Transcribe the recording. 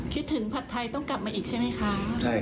คิดถึงผัดไทยต้องกลับมาอีกใช่ไหมคะ